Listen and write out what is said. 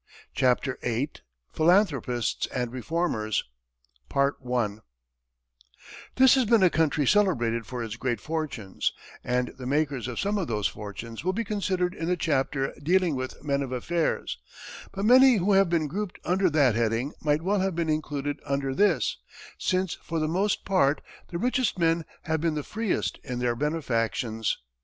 CHAPTER VIII PHILANTHROPISTS AND REFORMERS This has been a country celebrated for its great fortunes, and the makers of some of those fortunes will be considered in the chapter dealing with "men of affairs"; but many who have been grouped under that heading might well have been included under this, since, for the most part, the richest men have been the freest in their benefactions.